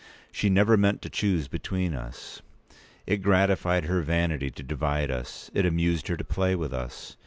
She never meant to choose between us. It gratified her vanity to divide us; it amused her to play with us.